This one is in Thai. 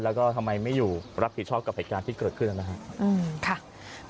แล้วก็ทำไมไม่อยู่รับผิดชอบกับเหตุการณ์ที่เกิดขึ้นนะครับ